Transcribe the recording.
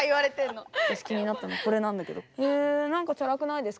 私気になったのこれなんだけど。